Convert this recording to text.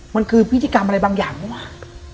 มันคือพิธีกรรมอะไรบางอย่างหรือเปล่า